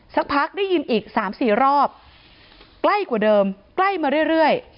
สักพักได้ยินอีก๓๔รอบใกล้กว่าเดิมใกล้มาเรื่อย